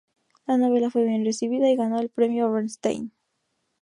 La novela fue bien recibida y ganó el "Premio Bernstein".